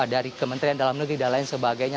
dari kementerian dalam negeri dan lain sebagainya